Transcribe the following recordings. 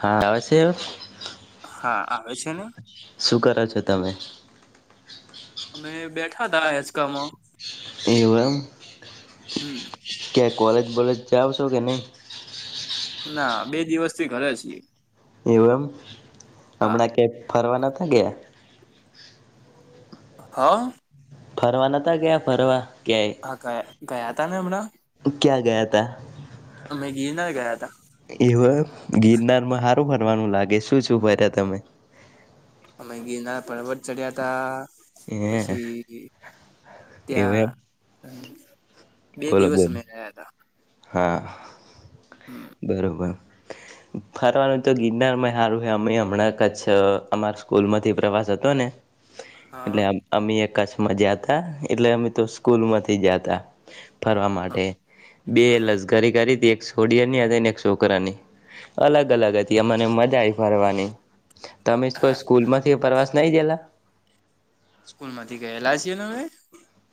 હા હા આવે છે ને [unintelligible] શું કરો છો તમે? અમે બેઠા તા હિંચકામાં. એવું એમ. હમ ક્યાં કોલેજ બોલેજ જાવ છો કે નહીં? ના, બે દિવસ થી ઘરે છીએ. એવું એમ. હા હમણાં કેક ફરવા નતા ગયા? હા. ફરવા નતા ગયાં ફરવા, ક્યાંય? હા ગયા-ગયા તા ને હમણાં. ક્યાં ગયા તા? અમે ગિરનાર ગયા હતા એવ ગિરનારમાં સારું ફરવાનું લાગે શું શું ફર તમે? અમે ગિરના પર્વત ચડ્યા તા હે પછી એવું એમ ત્યાં બે બોલો દિવસ બોલો અમે રહ્યા તા. હા, બરોબર. ફરવાનું તો ગિરનારમાં એય હારું હે, અમે હમણાં કચ્છ અમાર સ્કૂલ માંથી પ્રવાસ હતો ને હા એટલે અમ અમેય કચ્સમાં જાતા, એટલે અમે તો સ્કૂલ માંથી જાતા. ફરવા માટે. બે લઝ્કરી કરી તી, એક [unintelligible] હતી ને એક છોકરાની અલગ અલગ હતી અમને મજા આવી ફરવાની. તમે કોઈ સ્કૂલ માંથી પ્રવાસ નહી ગયેલા સ્કૂલ માંથી ગયેલા છે તમે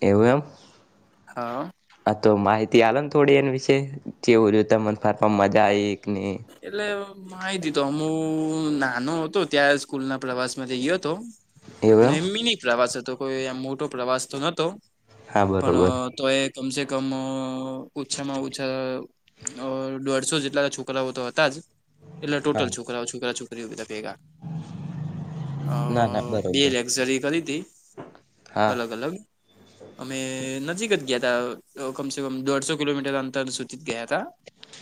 એવું એમ હા. હા તો માહિતી આ ને થોડી એના વિશે જેવું જોતા મને ફર મજા આઈ કે નહીં એટલે માહિતી તો હુ નાનો હતો ત્યાં સ્કૂલ ના પ્રવાસમાં માંથી ગયો હતો. એવું એમ એ મીની પ્રવાસ હતો કોઈ આમ મોટો પ્રવાસ તો નતો હા પણ બરોબર તો એ કમસે કમ ઓછામાં ઓછા દોઢસો જેટલા છો કરાઓ તો હતા જ એટલે હા ટોટલ છોકરાઓ છોકરા છોકરીઓ બધા ભેગા હ ના ના બે બરોબર લક્ઝરી કરી હતી. હા અલગ અલગ અમે નજીક જ ગયા હતા કમસે કમ દોઢસો કિલોમીટર અંતર સુધી જ ગયા હતા.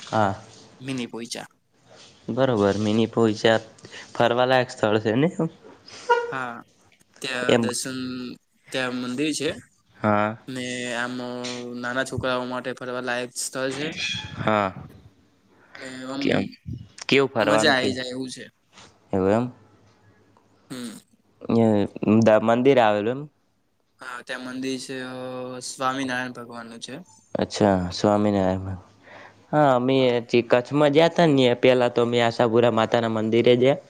હા. મિની પોઈચા બરોબર મિની પોઈચા ફરવાલાયક સ્થળ છે ને હા ત્યાં એમ દર્શન ત્યાં મંદિર છે. હા. ને આમ નાના છોકરાઓ માટે ફરવા લાયક સ્થળ છે હા. ને આમ કેમ કેવું મજા ફરવાનું આઈ કેવું જાય એવું છે એવું એમ હમ મંદિર આવેલું એમ હા ત્યાં મંદિર છે સ્વામિનારાયણ ભગવાનનું છે. અચ્છા સ્વામિનારાયણ હા મેં ચિકન કચ્છમાં જયા ત ને પેલા તો અં આશાપુરા માતા ના મંદિરે જયા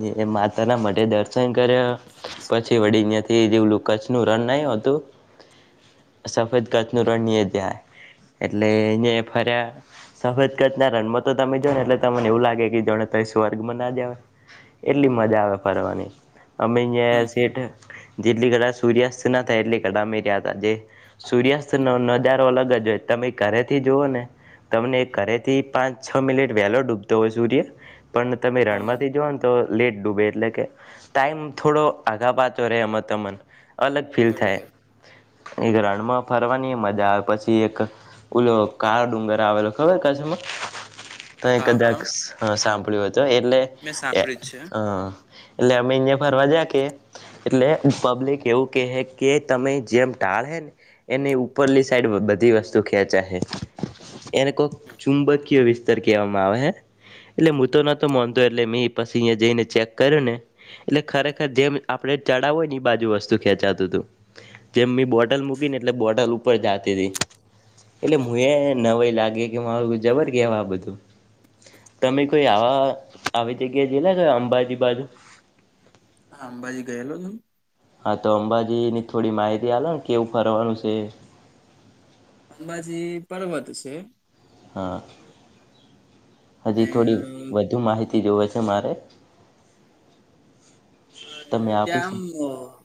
ને માતાના માટે દર્શન કર્યા પછી વડી જેલું કચ્છ નું રણ નય હતું સફેદ કચ્છ નું રણ ગ્યા તા એટલે નયા ફરયા સફેદગજ ના રણમાં તો તમે જો ને એટલે તમને એવું લાગે કે જોને ત સ્વર્ગમાં ના જ આવ એટલી મજા આવે ફરવાની અમે અહીંયા હમ સીટ જેટલી ઘડા સૂર્યાસ્ત ના થાય એટલી કડામેી રહ્યા હતા જે સૂર્યાસ્ત નો નજારો અલગ જ હોય તમે ઘરેથી જુઓ ને તમને ઘરે થી પાંચ છ મિનિટ વહેલો ડૂબતો હોય સૂર્ય પણ તમે હા રણમાંથી જોવ ને તો લેટ ડૂબે એટલે કે ટાઈમ થોડો આગા પાતો રહેે એમ તમને અલગ ફીલ થાય બરોબર એક રનમાં ફરવાની મજા આવે પછી એક ઓલો કાળ ડુંગર આવેલો ખબર કચ્છ માં તો હા કદાચ હા સાંભળ્યું હતો એટલે મેં સાંભળ્યું જ છે એટલે અમે અહીંયા ફરવા જા કે એટલે પબ્લિક એવું કહે કે તમે જેમ ટાળે ને એને ઉપરલી સાઈડ બધી વસ્તુ ખેચા હે એને કોક હમ. ચુંબકીય વીસ કવામાં આવે હ એટલે હું તો નતો માનતો એટલે મે પછી અહયા જઈને ચેક કર્યો ને એટલે ખરેખર જેમ આપડે ચડાવ હોય ને એ બાજુ વસ્તુ ખેંચાતું હતું જેમ બોટ બટલ મૂકી ને એટલે બોટલ ઉપર જતી હતીી એટલે હું એ નવાઈ લાગી મારું જબર કેવા આ બધું તમે કોઈ આવા આવી જગ્યા જયેલા અંબાજી બાજુ હા અંબાજી ગયેલો તો હા તો અંબાજીની થોડી માહિતી આલો ને કેવું ફરવાનું છે અંબાજી પર્વત છે. હા. હજી ને થોડી વધુ માહિતી જોવે છે મારે હા એટલે તમે આપી ત્યાં શકો આમ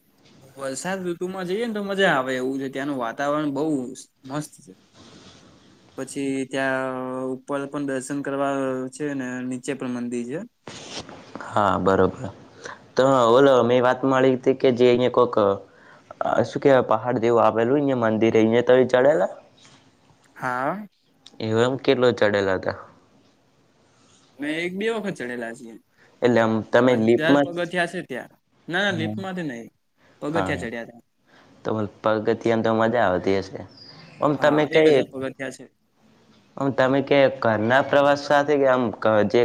વરસાદ ઋતુમાં જઈએ ને તો મજા આવે એવું છે ત્યાંનું વાતાવરણ બહુ મસ્ત છે [inaudible] પછી ત્યાં ઉપર પણ દર્શન કરવા છે ને નીચે પણ મંદિર છે. હા બરોબર. તો બોલો મેં વાત મળી હતી કે જે અહીયા કોક અ શું કેવાય પહાડ દેવું આવેલું અયા મંદિર અહિયા તો ચડેલા? હા. એવ એમ કેટલો ચડેલા હતા? અમે એક બે વખત ચડેલા છીએ એટલે આમ તમે હજાર લીપમાં પગથીયા છે ત્યાં. ના જ ના લિફ્ટ માંથી નહી પગથિયાં હા ચડ્યા હતા. તો પગતિ તો મજા આવતી હશે આમ તમે હા એક કઈ હજાર પગથિયા છે હું તમે કે ઘરના પ્રવાસ સાથે કે આમ જે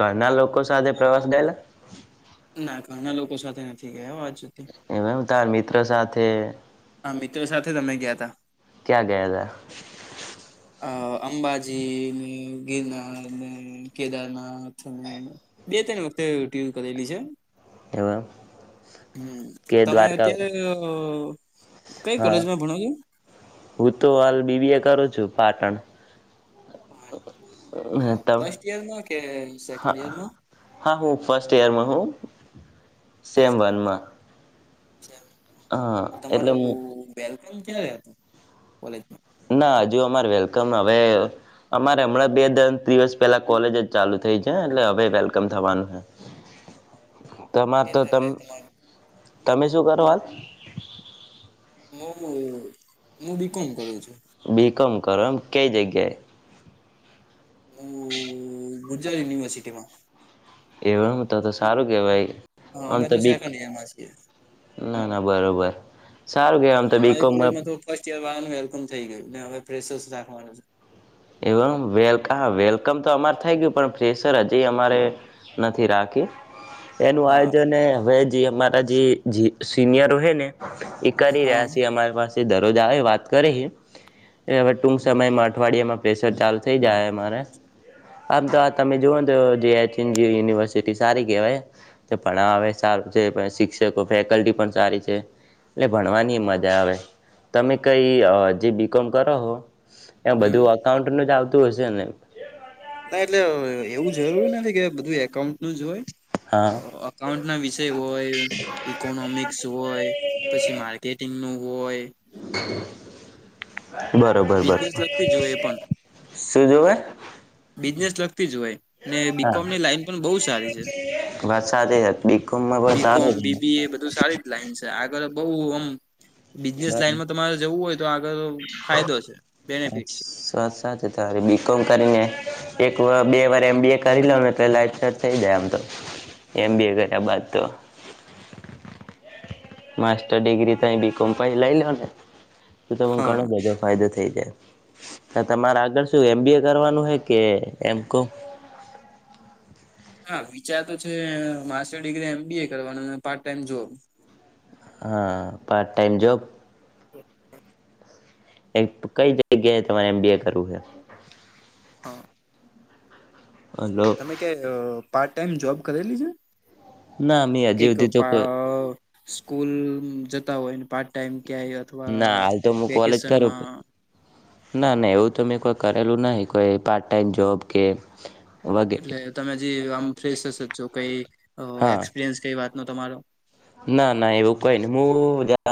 ઘના લોકો સાથે પ્રવાસ ગયેલા? ના ઘણા લોકો સાથે નથી ગયા આજ સુધી. એ હું તાર મિત્ર સાથે હા મિત્રો સાથે અમે ગયા તા. ક્યાં ગયા [inaudible] અ અંબાજી ને ગિરનાર ને કેદારનાથ અને બે ત્રણ વખતે ટ્યન કરેલી છે. એવા હમ તમે અત્યારે કઈ હા કોલેજમાં ભણાવો છો? હું તો હાલ બીબી એ કરું છું પાટણ. હા એટલે તમ ફર્સ્ટ ઈયરમાં કે સેકન્ડ હા ઈયરમાં? હા હું ફર્સ્ટ યરમાં હું સેમ ફર્સ્ટ યર વનમાં. હા એટલે તમારું હું બેલકમ ક્યારે આવ હતું કોલેજમાં? ના હજુ અમારે વેલકમ હવે અમારે હમણાં બે દસ દિવસ પેલા કોલેજ જ ચાલુ થઈ છે એટલે હવે વેલકમ થવાનું છે. તમાર તો ત એટલે તમારું તમે શું કરો હાલ? હું હું બી કોમ કરું છું. બીકોમ કરો એમ કાઈ જગ્યા એ? હ ગુજરાત યુનિવર્સિટી માં. એવામ તો તો સારું કેહેવાય. હા અમે તો સેકન્ડ ઈયર માં છીએ. ના ના બરોબર સારું કેવા આમ તો બીકોમ. વાનું વેલકમ થઈ ગયું ને હવે ફ્રેશસ રાખવાનું છે. એ વેલ વેલકમ તો અમાર થઇ ગયું પણ ફ્રેસર હજી અમારે નથી રાખી. એનું હા આયોજન હવે જે અમારા જે સિનિયરો છે ને એક કરી હા રહ્યા છે અમારી પાસે દરરોજ આવે વાત કરીે છે હવે ટુંક સમયમાં અઠવાડિયામાં પ્રેશર ચાલુ થઈ જાય અમારે આમ તો આ તમે જુઓ તો જેએચનજી યુનિવર્સિટી સારી કહેવાય પણ હવે સારું છે પણ શિક્ષકો ફેકલ્ટી પણ સારી છે એટલે ભણવાની મજા આવે તમે કઈ જે બીકોમ કરો હો એ હમ બધું અકાઉન્ટનું જ આવતું હશે ને. ના એટલે એવું જરૂર નથી કે બધું એકાઉન્ટ નું જ હોય. હા અકાઉન્ટ ના વિષય હોય ઈકોનોમિક્સ હોય. પછી માર્કેટિંગ નું હોય. બરોબર બરોર બિઝનેસ લગતી જ હોય એ પણ શું જોવે? બિઝનેસ લગતી જ હોય. ને હા બીકોમની લાઈન પણ બહુ સારી છે વાત સાથે બીકોમમાં પણ બીકોમ સારું છે બી એ બધી સારી જ લાઈન છે આગળ બઉ આમ બિઝનેસ બરોબર લાઈનમાં તમારે જવું હોય તો આગળ ફાયદો છે બેનિફિટ છે વાત સાચી તારી બી કોમ કરીને એક વાર બે વાર એમ બી એ કરી લઉ ને એટલે લાઈફ થઈ જાય આમ તો એમ બી એ કર્યા બાદ તો માસ્ટર ડીગ્રી બીકોમ લઈલોને તો તમને હા ઘણું બધુ ફાયદો થઈ જાય હા તમારે આગળ શું એમ બી એ કરવાનું હે કે એમ કોમ હા વિચાર તો છે master degree M B A કરવાનું પાર્ટ ટાઈમ જોબ હા પાર્ટ ટાઈમ જોબ હ હ એમ કઈ જગ્યાએ તમારે એમ બી એ કરવું છે હા હલો તમે ક્યાંય પાર્ટ ટાઈમ જોબ કરેલી છે ના મેં હજી કઈક સુધી તો પા કોઈ સ્કૂલ જતા હોયને પાર્ટ ટાઈમ ક્યાંય અથવા ના હાલ તો હું કોલેજ કરું વેકેશનમાં છું ના ના એવું તો મેં કોઈ કરેલું નહીં કોઈ પાર્ટ ટાઈમ જોબ કે વગેરે એટલે તમે હજી આમ ફ્રેશયશ જ છો કઈ હા એક્સપિરિયન્સ કઈ વાત નો તમારો ના ના એવું કાય નહી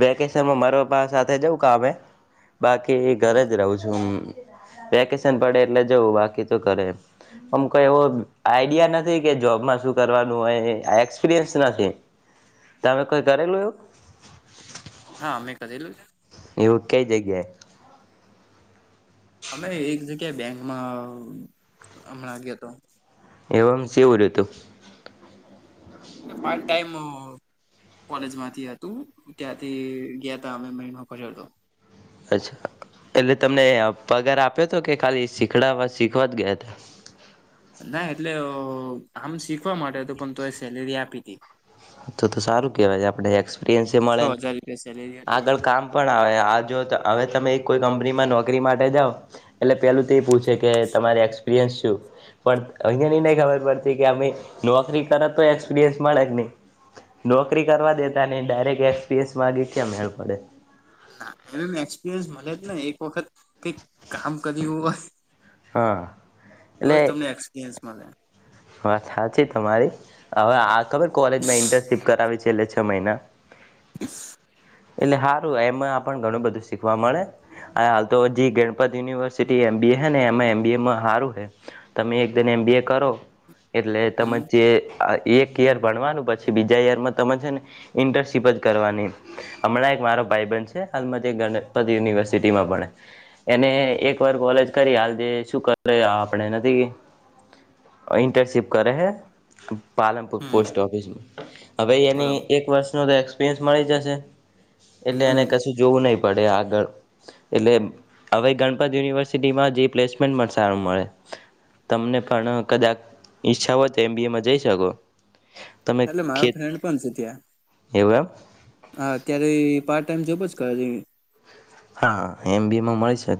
વેકેશનમાં મારા પપ્પા સાથે જઉં કામે બાકી ઘરે હા જ રહું છું હ વેકેશન પડે એટલે જવું બાકી તો ધરે આમ કઈ એવો આઈડિયા નથી કે જોબમાં શું કરવાનું હોય એક્સપિરિયન્સ નથી તમે કોઈ કરેલું એવુ હા મૅ કરેલુ એવું તે કઈ જગ્યા એ અમે એક જગ્યાએ બેંકમાં હમણાં ગયો હતો એવમ જેવું રહેતું પાર્ટ ટાઈમ કોલેજ માંથી હતું ત્યાંથી ગયા હતા અમે મહિનો કર્યો હતો અચ્છા એટલે તમને પગાર આપ્યો હતો કે ખાલી શીખડાવા શીખવા જ ગયા હતા ના એટલે આમ શીખવા માટે હતું પણ તો એ સેલેરી આપી હતી તો તો સારું કહેવાય આપણે એક્સપિરિયન્સ છ મળે હજાર રૂપિયા સેલેરી હતી આગળ કામ પણ આવે આ જો હવે તમે કોઈ કંપનીમાં નોકરી માટે જાઓ એટલે પેલું તો એ પૂછે કે તમારે એક્સપિરિયન્સ શું પણ અહીંયાની નહીં ખબર પડતી કે અમે નોકરી કર તોય એક્સપિરિયન્સ મળે જ નહીં નોકરી કરવા દેતા નહી ડાયરેક્ટ એસકપિરીયન્સ માગે કેમ મેળ પડે ના એમનેમ એક્સપિરિયન્સ મળે જ ને એક વખત કઈક કામ કર્યું હોય હા એલે એક્સપીરયન્સ મળે હ વાત સાચી તમારી હવે આ ખબર કોલેજમાં ઇન્ટર્નશીપ કરાવી છેલ્લે છ મહિના એટલે સારું એમાં પણ ઘણું બધું શીખવા મળે હા હાલ તો જી ગણપત યુનિવર્સિટી એમબીએ હે ને એમાં એમબીએમાં હારું હે તમે એકજન એમ બી એ કરો એટલે તમે હમ જે એક યર ભણવાનું પછી બીજા યરમાં તમે છે, ને ઇન્ટર્નશીપ જ કરવાની હમણાં એક મારો ભાઈબન છે, હાલમાં ગણપત યુનિવર્સિટીમાં ભણે એને એક વાર કોલેજ કરી હાલ જે શું કરે આપણે નથી ઇન્ટર્નશીપ કરે હે પાલનપુર હમ પોસ્ટ ઓફિસમાં હવે એની બરોબર એક વર્ષનો તો એક્સપિરિયન્સ મળી જશે એટલે એને હમ કશુ જોવું નહી પડે આગળ એટલે હવે ગણપત યુનિવર્સિટીમાં જે પ્લેસમેન્ટ પણ સારું મળે તમને પણ કદાક ઈચ્છા હોય તો એમ બી એમાં જઈ શકો તમે એટલે મારો ખેત ફ્રેન્ડ પણ છે, ત્યાં એવું એમ હા અત્યારે એ પાર્ટ ટાઈમ જોબ જ કરે હા એમ બી એમાં મળી શકે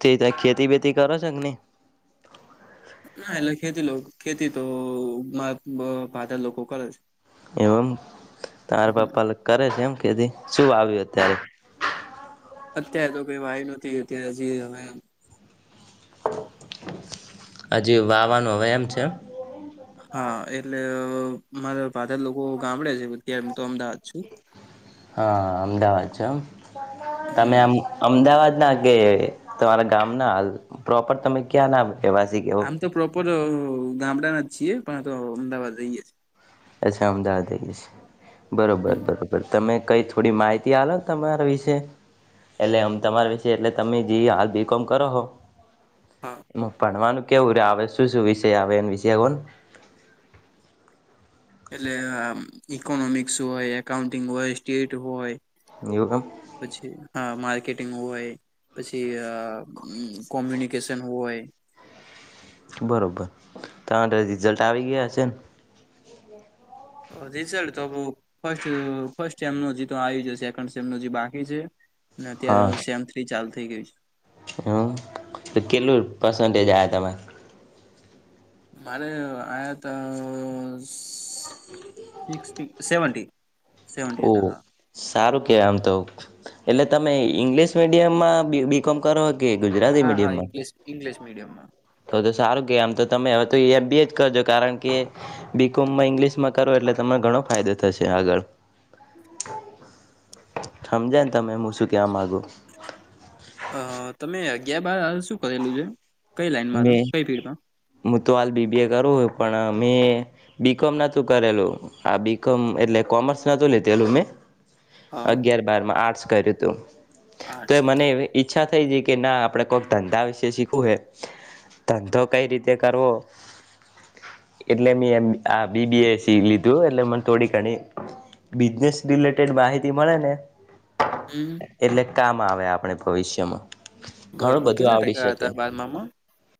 તે તય ખેતી બેેતી કરો છે, કે ની ના એટલે ખેલો ખેતી તો મા ફાધાર લોકો કરે છે. એવમ તાર પાપ્પા કરે છે, એમ કે શું આવ્યું હ હા અત્યારે તો કઈ વાય નતી અત્યારે હજી હવે હજી વાવાનું હવે એમ છે. હા એટલે મારા પાધર લોકો ગામડે છે, ત્યારે હું તો અમદાવાદ છું. હા અમદાવાદ છો એમ હમ તમે આમ અમદાવાદના કે તમારા ગામનાલ પ્રોપર તમે ક્યાં ના રહેવાસી કેવો આમ તો પ્રોપર ગામડાના જ છીએ પણ તો અમદાવાદ રહીએ અછા અમદાવાદ છે, બરોબર હમ બરો બર તમે કઈ થોડી માહિતી આલો તમારા વિશે એટલે આમ તમારા વિશે એટલે તમે જી હાલ બી કોમ કરો હો હા. એમ પણવાનું કેવુ આવે શું શુ વિષય આવે વિશે કોન એટલે ઇકોનોમિક્સ હોય એકાઉન્ટિંગ હોય સ્ટેટ હોય [inaudible] પછી હા માર્કેટિંગ હોય પછી અ કોમ્યુનિકેશન હોય બરાબર [unintelligible] રિઝલ્ટ આવી ગયા છે, ન રીઝલ્ટ [unintelligible] ફર્સ્ટ ફર્સ્ટ સેમનો જીતો આવી જ સેકન્ડ સેમ નુ બાકી છે. ને અત્યારે સેમ થ્રી ચાલુ થઇ ગયું છે. હ તો કેટલું પર્સન્ટેજ આ તમાર મારે આ તો સિક્સી સેવન્ટન્ટી ઓ સારું કે આમ તો એટલે તમે ઈંગ્લિશ મીડિયમમાં બી બી કમ કરો કે ગુજ હા હા ઇંગ્લિશ ઇંગ્લિશ મીડિયમમાં થ તો સારું કે આમ તો તમે હવે તો એમ બીએ કરજો કારણ કે બીકોમમાં ઇંગ્લિશમાં કરો એટલે તમને ઘણો ફાયદો થશે આગળ હમજાય ને તમે મુ શું કેવા માગુ? અ તમે અગિયાર બાર શું કરેલું છે, કઈ લાઈનમાં તો કઈ ફીડમાં મુ તો હાલ બીબી એ કરું પણ મે બી કોમ નોતું કરેલું આ બી કોમ એટલે કોમર્સ નતું લીધેલુ મેં હા અગયાર બારમાં આર્ટસ કર્યું તું તો આર્ટસ મને હતું એવી ઈચ્છા થઈ જાય કે ના આપડે કોક ધંધા વિશે શીખવું હે ધંધો કઈ રીતે કરવો એટલે મે એ આ બીબીએસી લીધું એટલે મને થોડી ઘણી બિઝનેસ રિલેટેડ માહિતી મળે ને હમ. એટલે કામ આવે આપણે ભવિષ્યમાં ઘણું બરોબર બધું કેટલા આવડી ટકા હતા શકે. બારમામાં